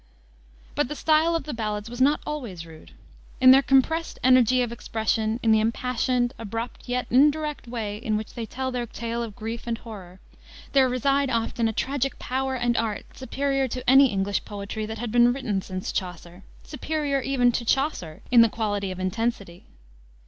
But the style of the ballads was not always rude. In their compressed energy of expression, in the impassioned abrupt, yet indirect way in which they tell their tale of grief and horror, there reside often a tragic power and art superior to any English poetry that had been written since Chaucer, superior even to Chaucer in the quality of intensity.